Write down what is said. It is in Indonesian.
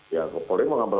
ya polri mengambil